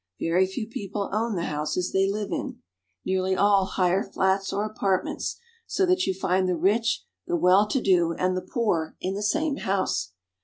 Very few people own the houses they live in. Nearly all hire flats or apartments, so that you find the rich, the well to do, and the poor, in the same house.